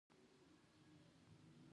موږ د خپلو خیالونو بندیان یو.